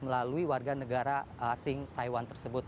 melalui warga negara asing taiwan tersebut